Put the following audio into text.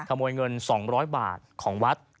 ขโมยเงินสองร้อยบาทของวัด